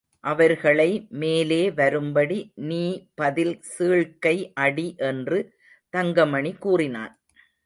அவர்களை மேலே வரும்படி நீ பதில் சீழ்க்கை அடி என்று தங்கமணி கூறினான்.